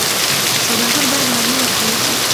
سوداګر باید مالیه ورکړي.